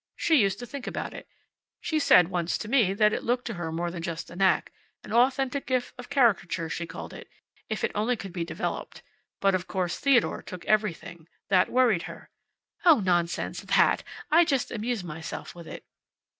She used to think about it. She said once to me, that it looked to her more than just a knack. An authentic gift of caricature, she called it if it could only be developed. But of course Theodore took everything. That worried her." "Oh, nonsense! That! I just amuse myself with it."